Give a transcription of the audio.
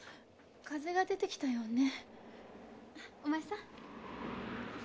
風が出てきたようね。